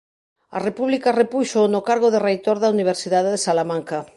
A República repúxoo no cargo de Reitor da Universidade de Salamanca.